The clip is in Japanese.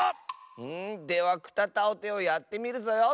では「くたたをて」をやってみるぞよ。